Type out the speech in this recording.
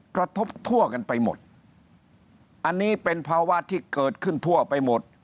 กระทบทั่วกันไปหมดอันนี้เป็นภาวะที่เกิดขึ้นทั่วไปหมด